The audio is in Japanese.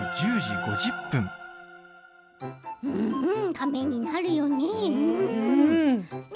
ためになるよね。